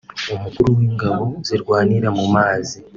Umukuru w’Ingabo zirwanira mu mazi